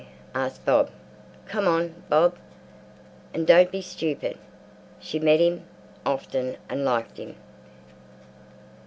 asked Bob. "Come on, Bob, and don't be stupid." She met him often and "liked" him.